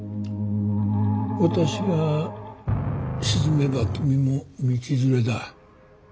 私が沈めば君も道連れだ。